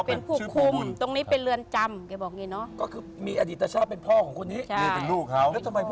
เป็นผู้คุมอดิตชาติเป็นพ่อของในปุกงาน